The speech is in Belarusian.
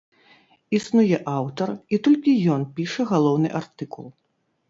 Існуе аўтар, і толькі ён піша галоўны артыкул.